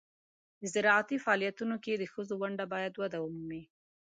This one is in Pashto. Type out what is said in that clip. د زراعتي فعالیتونو کې د ښځو ونډه باید وده ومومي.